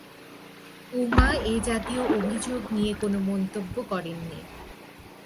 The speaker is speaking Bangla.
উমা এ জাতীয় অভিযোগ নিয়ে কোনও মন্তব্য করেননি।